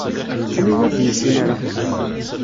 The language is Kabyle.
Aniwa ur d-yusin ara?